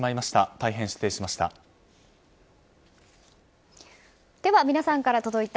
大変失礼しました。